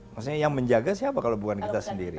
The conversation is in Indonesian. maksudnya yang menjaga siapa kalau bukan kita sendiri